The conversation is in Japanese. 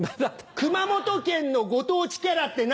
熊本県のご当地キャラって何？